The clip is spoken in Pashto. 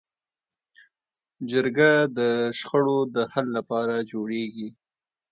جرګه د شخړو د حل لپاره جوړېږي